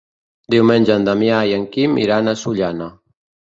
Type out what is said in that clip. Diumenge en Damià i en Quim iran a Sollana.